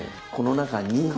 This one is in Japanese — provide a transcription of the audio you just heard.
この中に。